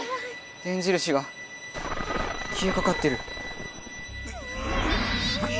電印がきえかかってる。